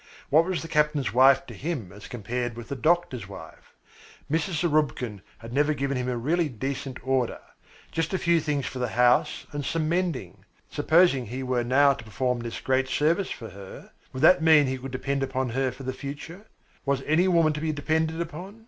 What was the captain's wife to him as compared with the doctor's wife? Mrs. Zarubkin had never given him a really decent order just a few things for the house and some mending. Supposing he were now to perform this great service for her, would that mean that he could depend upon her for the future? Was any woman to be depended upon?